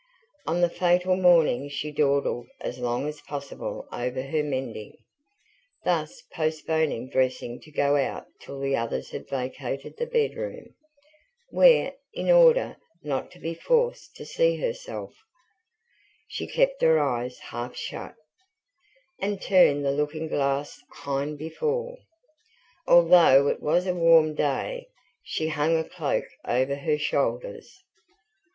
On the fatal morning she dawdled as long as possible over her mending, thus postponing dressing to go out till the others had vacated the bedroom; where, in order not to be forced to see herself, she kept her eyes half shut, and turned the looking glass hind before. Although it was a warm day, she hung a cloak over her shoulders.